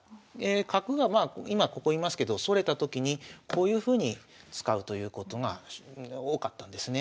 角がまあ今ここ居ますけどそれたときにこういうふうに使うということが多かったんですね。